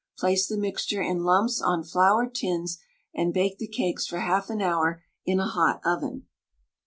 Place the mixture in lumps on floured tins, and bake the cakes for half an hour in a hot oven.